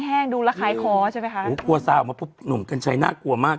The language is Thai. แห้งดูระคายคอใช่ไหมคะโอ้โฮกลัวซาออกมาพบหนุ่มกันใจหน้ากลัวมาก